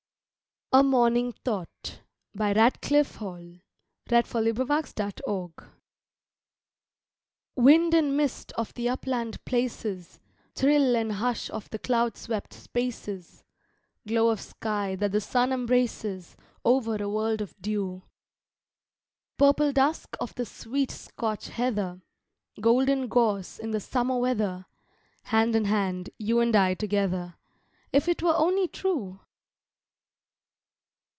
ways sighing? Do you sing with a broken heart? A MORNING THOUGHT Wind and mist of the upland places, Thrill and hush of the cloud swept spaces, Glow of sky that the sun embraces, Over a world of dew. Purple dusk of the sweet Scotch heather, Golden gorse, in the summer weather, Hand in hand, you and I together, If it were only true!